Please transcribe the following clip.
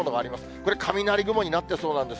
これ、雷雲になってそうなんです。